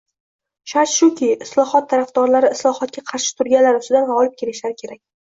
Shart shuki, islohot tarafdorlari islohotga qarshi turganlar ustidan g‘olib kelishlari kerak.